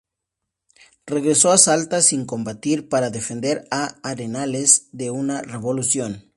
Regresó a Salta sin combatir, para defender a Arenales de una revolución.